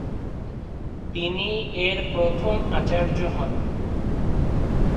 তিনি এর প্রথম আচার্য হন।